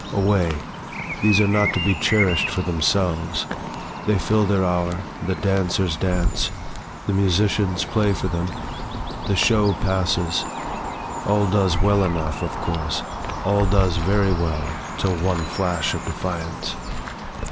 Away! these are not to be cherishâd for themselves, They fill their hour, the dancers dance, the musicians play for them, The show passes, all does well enough of course, All does very well till one flash of defiance.